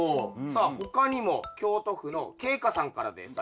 さあ他にも京都府のけいかさんからです。